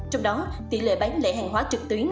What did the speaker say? trong đó tỷ lệ bán lẻ hàng hóa trực tuyến